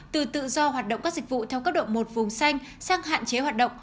từ tự do hoạt động các dịch vụ theo cấp độ một vùng xanh sang hạn chế hoạt động